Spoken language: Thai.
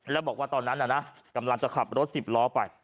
แล้วบอกว่าตอนนั้นน่ะนะกำลังจะขับรถ๑๐ล้อไป